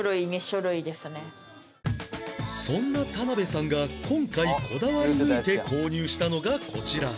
そんな田辺さんが今回こだわり抜いて購入したのがこちら